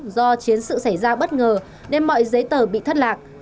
do chiến sự xảy ra bất ngờ nên mọi giấy tờ bị thất lạc